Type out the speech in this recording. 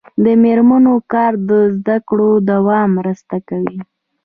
د میرمنو کار د زدکړو دوام مرسته کوي.